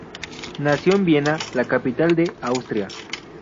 Naco en Viena, la capital de Austria.